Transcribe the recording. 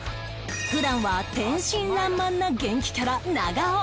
普段は天真爛漫な元気キャラ長尾